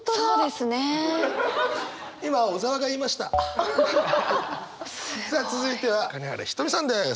すごい。さあ続いては金原ひとみさんです。